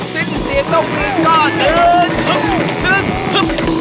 สิ้นเสียงต้องรีก็หนึ่ง